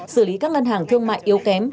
xử lý các ngân hàng thương mại yếu kém